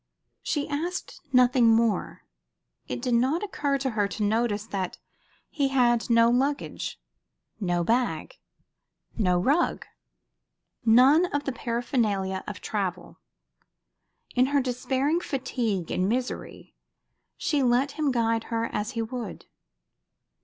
She asked nothing more. It did not occur to her to notice that he had no luggage, no bag, no rug, none of the paraphernalia of travel. In her despairing fatigue and misery she let him guide her as he would.